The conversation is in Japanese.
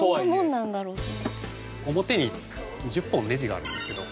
表に１０本ネジがあるんですけど。